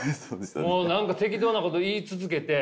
もう何か適当なこと言い続けて。